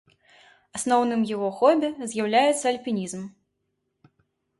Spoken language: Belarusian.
Асноўным яго хобі з'яўляецца альпінізм.